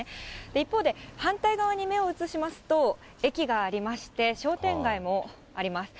一方で、反対側に目を移しますと、駅がありまして、商店街もあります。